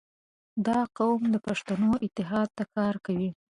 • دا قوم د پښتنو اتحاد ته کار کوي.